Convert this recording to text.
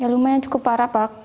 lumayan cukup parah pak